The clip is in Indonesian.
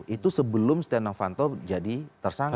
itu sebelum setia novanto jadi tersangka